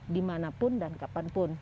dimanapun dan kapanpun